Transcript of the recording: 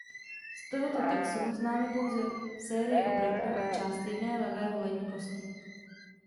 Z tohoto taxonu známe pouze sérii obratlů a část jedné levé holenní kosti.